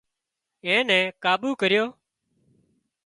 اين نين ڪاٻو ڪريو